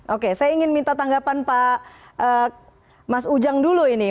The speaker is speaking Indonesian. oke saya ingin minta tanggapan pak mas ujang dulu ini